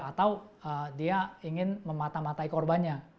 atau dia ingin memata matai korbannya